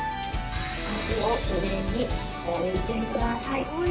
足を、上に置いてください。